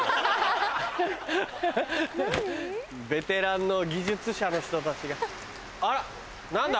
ベテランの技術者の人たちがあら何だ？